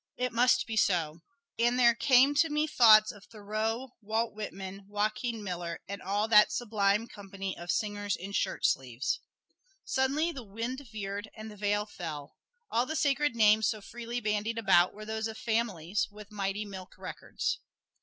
It must be so. And there came to me thoughts of Thoreau, Walt Whitman, Joaquin Miller, and all that sublime company of singers in shirt sleeves. Suddenly the wind veered and the veil fell; all the sacred names so freely bandied about were those of "families" with mighty milk records.